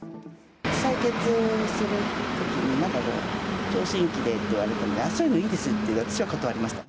採血するときになんか、聴診器でって言われたので、そういうのいいですって私は断りました。